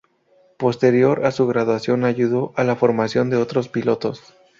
Posterior a su graduación ayudó a la formación de otros pilotos.